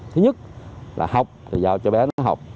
thứ nhất là học thì giao cho bé nó học